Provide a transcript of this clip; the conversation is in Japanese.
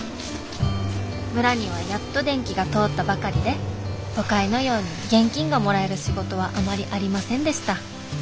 村にはやっと電気が通ったばかりで都会のように現金がもらえる仕事はあまりありませんでした。